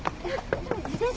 でも自転車は？